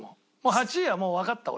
８位はもうわかった俺は。